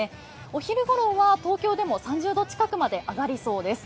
お昼ごろは東京でも３０度近くまで上がりそうです。